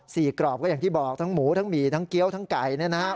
กรอบก็อย่างที่บอกทั้งหมูทั้งหมี่ทั้งเกี้ยวทั้งไก่เนี่ยนะฮะ